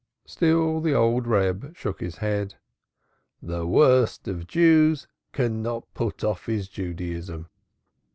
Still the old Reb shook his head. "The worst of Jews cannot put off his Judaism.